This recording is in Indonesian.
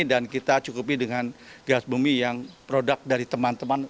dan kita cukupi dengan gas bumi yang produk dari teman teman